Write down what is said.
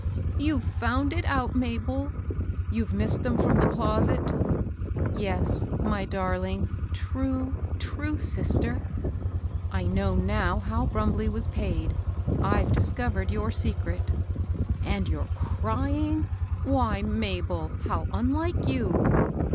"You've found it out, Mabel I: you've missed them irom the closet ?" *'Tes, my darling, true, true sister! I know^ now how ]foumbley was paid; Fve discovered your secret." " And you're crying !— why, Mabel ! how unlike you."